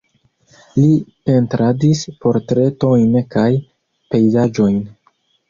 Li pentradis portretojn kaj pejzaĝojn.